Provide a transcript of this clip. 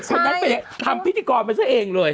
คนนั้นไปทำพิธีกรมันเจ้าเองเลย